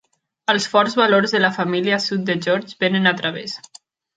Els forts valors de la família sud de George vénen a través.